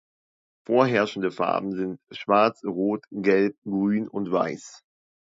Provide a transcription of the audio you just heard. Vorherrschende Farben sind schwarz, rot, gelb, grün und weiß.